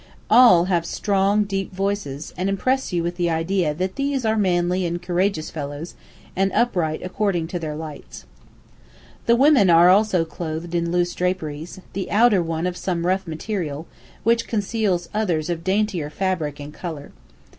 All have strong, deep voices, and impress you with the idea that these are manly and courageous fellows, and upright according to their lights. [Footnote 10: A square shawl of white or coloured silk.] The women also are clothed in loose draperies, the outer one of some rough material, which conceals others of daintier fabric and colour.